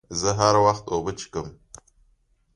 زه هر وخت اوبه څښم.